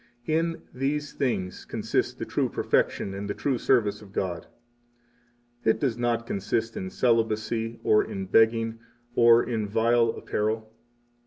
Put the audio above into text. In these things consist the true perfection and the true service of God. It does not consist in celibacy, or in begging, or in vile apparel.